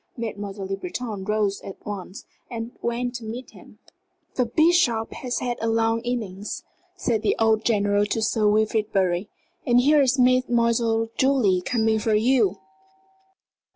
Mademoiselle Le Breton rose at once and went to meet him. "The Bishop has had a long innings," said an old general to Sir Wilfrid Bury. "And here is Mademoiselle Julie coming for you."